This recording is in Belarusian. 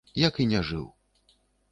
Як і не жыў.